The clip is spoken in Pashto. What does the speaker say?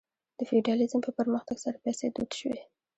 د فیوډالیزم په پرمختګ سره پیسې دود شوې.